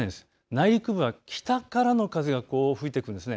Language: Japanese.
内陸部は北からの風が吹いてくるんです。